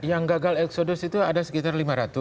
yang gagal eksodus itu ada sekitar